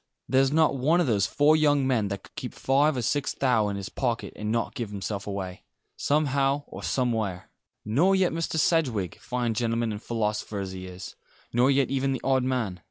There's not one of those four young men that could keep five or six thou' in his pocket and not give himself away somehow or somewhere. Nor yet Mr. Sedgewick, fine gentleman and philosopher as he is nor yet even the odd man.